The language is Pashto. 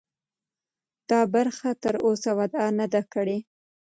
دا برخه تراوسه وده نه ده کړې.